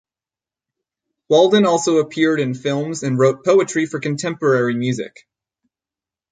Walden also appeared in films and wrote poetry for contemporary music.